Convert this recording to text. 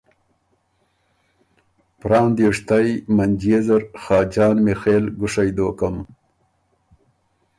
پران دیوشتئ منجيې زر خاجان میخېل ګُوشئ دوکم۔